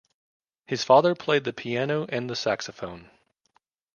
His father played the piano and the saxophone.